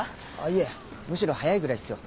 いえむしろ早いぐらいっすよ。